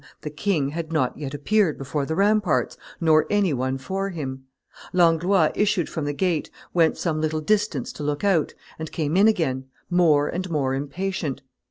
the king had not yet appeared before the ramparts, nor any one for him. Langlois issued from the gate, went some little distance to look out, and came in again, more and more impatient.